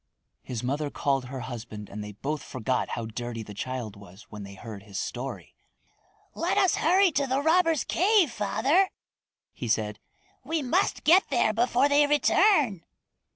His mother called her husband and they both forgot how dirty the child was when they heard his story. "Let us hurry to the robbers' cave, father," he said. "We must get there before they return."